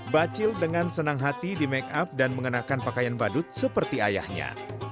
bacil dengan senang hati di make up dan mengenakan pakaian badut seperti ayahnya